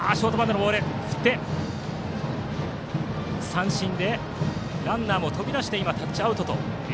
三振でランナーも飛び出してタッチアウト。